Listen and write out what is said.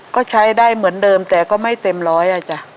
ก็ใช้ได้เหมือนเดิมแต่ก็ไม่เต็มร้อยอ่ะจ้ะ